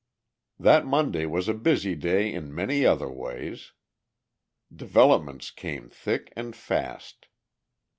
That Monday was a busy day in many other ways. Developments came thick and fast.